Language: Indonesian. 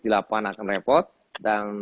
dilakukan akan repot dan